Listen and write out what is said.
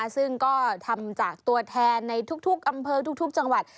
ซึ่งก็ทำจากตัวแทนในทุกอำเภอทุกจังหวัด